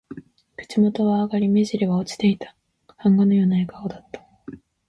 口元は上がり、目じりは落ちていた。版画のような笑顔だった。